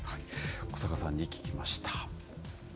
小坂さんに聞きました。